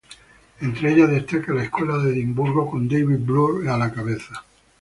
Entre ellas destaca la Escuela de Edimburgo con David Bloor a la cabeza.